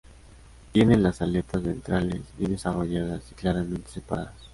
Tienen las aletas ventrales bien desarrolladas y claramente separadas.